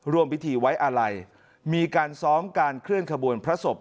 ร่วมพิธีไว้อาลัยมีการซ้อมการเคลื่อนขบวนพระศพ